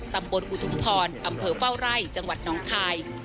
อุทุมพรอำเภอเฝ้าไร่จังหวัดน้องคาย